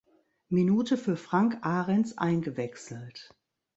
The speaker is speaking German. Minute für Frank Ahrens eingewechselt.